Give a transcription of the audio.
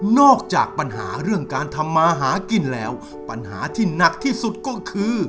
จากปัญหาเรื่องการทำมาหากินแล้วปัญหาที่หนักที่สุดก็คือ